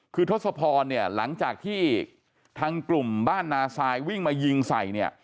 คือทศพรเนี่ยหลังจากที่ทางกลุ่มบ้านนาซายวิ่งมายิงใส่เนี่ย